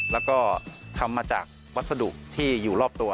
แล้วก็ทำมาจากวัสดุที่อยู่รอบตัว